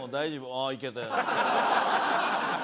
ああいけたよ。